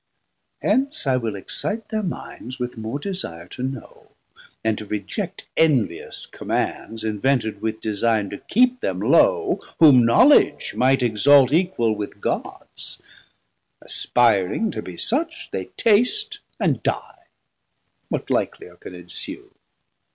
Hence I will excite thir minds With more desire to know, and to reject Envious commands, invented with designe To keep them low whom knowledge might exalt Equal with Gods; aspiring to be such, They taste and die: what likelier can ensue?